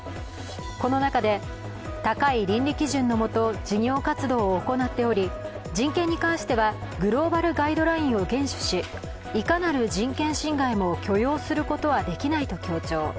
この中で、高い倫理基準のもと事業活動を行っており人権に関してはグローバルガイドラインを厳守し、いかなる人権侵害も許容することはできないと強調。